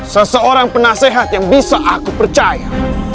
seseorang penasehat yang bisa aku percaya